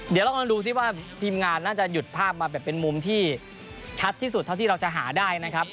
เดี๋ยวเรามาดูซิว่าทีมงานน่าจะหยุดภาพมาแบบเป็นมุมที่ชัดที่สุดเท่าที่เราจะหาได้นะครับ